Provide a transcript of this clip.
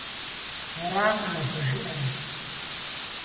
Аракъым абы жиӏар.